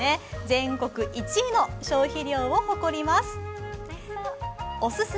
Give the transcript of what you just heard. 全国１位の消費量を誇ります。